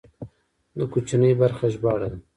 د کوچنۍ برخې ژباړه ده.